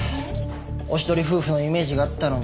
おしどり夫婦のイメージがあったのに。